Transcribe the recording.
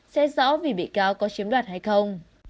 sẽ rõ vì bị cáo có chiếm đoạt hay không